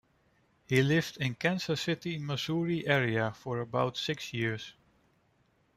He lived in the Kansas City, Missouri area for about six years.